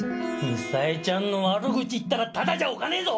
ミサエちゃんの悪口言ったらただじゃおかねえぞ！